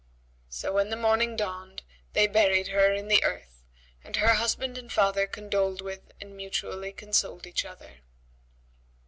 So when the morning dawned, they buried her in the earth and her husband and father condoled with and mutually consoled each other.